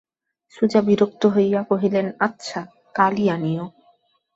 সুজা বিরক্ত হইয়া কহিলেন, আচ্ছা, কালই আনিয়ো।